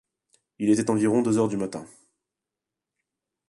Il était environ deux heures du matin